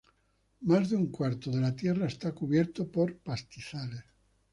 Más de un cuarto de la Tierra está cubierto por pastizales.